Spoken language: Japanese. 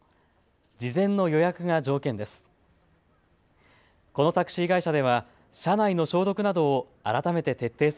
事前の予約が条件です。